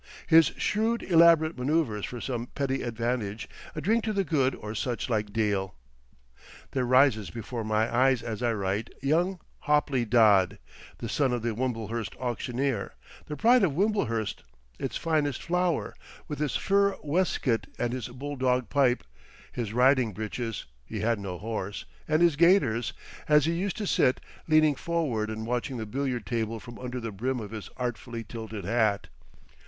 his shrewd, elaborate maneuvers for some petty advantage, a drink to the good or such like deal. There rises before my eyes as I write, young Hopley Dodd, the son of the Wimblehurst auctioneer, the pride of Wimblehurst, its finest flower, with his fur waistcoat and his bulldog pipe, his riding breeches—he had no horse—and his gaiters, as he used to sit, leaning forward and watching the billiard table from under the brim of his artfully tilted hat.